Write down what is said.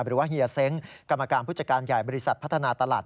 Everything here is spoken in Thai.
กรรมการผู้จัดการใหญ่บริษัทพัฒนาตลาด